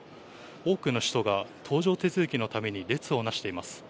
多くの人が搭乗手続きのために列をなしています。